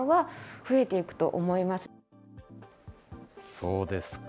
そうですか。